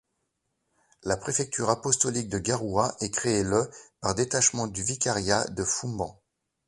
La préfecture apostolique de Garoua est créée le par détachement du vicariat de Foumban.